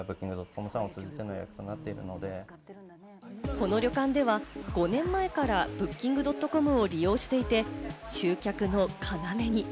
この旅館では５年前からＢｏｏｋｉｎｇ．ｃｏｍを利用していて、集客の要に。